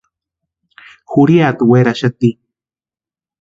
Jurhiata werhaxati.